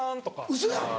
ウソやん。